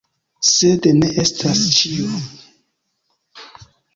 Sed ne estas ĉio.